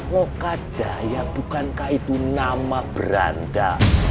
lokajaya bukankah itu nama beranda